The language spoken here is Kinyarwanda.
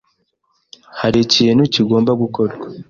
Hari ikintu kigomba gukorwa?